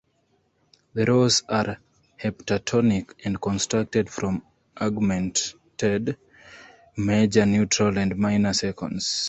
The rows are heptatonic and constructed from augmented, major, neutral, and minor seconds.